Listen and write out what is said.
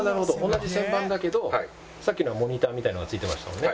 同じ旋盤だけどさっきのはモニターみたいなのが付いてましたもんね。